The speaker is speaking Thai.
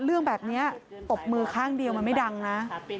เรื่องแบบนี้ตบมือข้างเดียวมันไม่ดังนะ